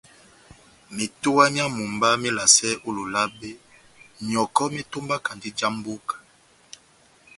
Metowa myá mumba melasɛ ó Lolabe, myɔkɔ metombaki já mbóka.